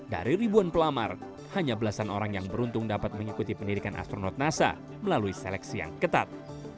dari ribuan pelamar hanya belasan orang yang beruntung dapat mengikuti pendidikan astronot nasa melalui seleksi yang ketat